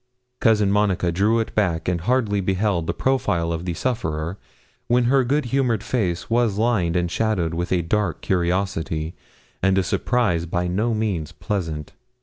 Cousin Monica drew it back and hardly beheld the profile of the sufferer, when her good humoured face was lined and shadowed with a dark curiosity and a surprise by no means pleasant.